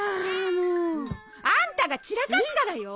もうアンタが散らかすからよ。